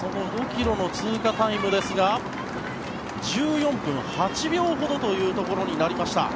その５ｋｍの通過タイムですが１４分８秒ほどというところになりました。